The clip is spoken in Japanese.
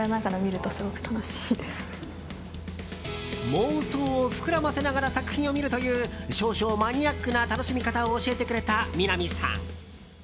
妄想を膨らませながら作品を見るという少々マニアックな楽しみ方を教えてくれた南さん。